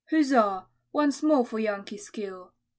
Huzza! once more for Yankee skill!